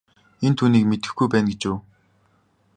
Энэ түүнийг мэдэхгүй байна гэж үү.